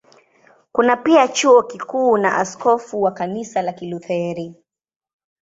Kuna pia Chuo Kikuu na askofu wa Kanisa la Kilutheri.